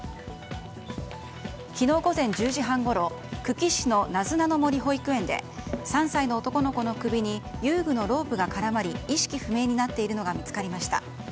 昨日午前１０時半ごろ久喜市のなずなの森保育園で３歳の男の子の首に遊具のロープが絡まり意識不明になっているのが見つかりました。